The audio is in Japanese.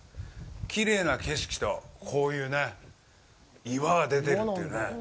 きれいな景色と、こういうね岩が出てるっていうね。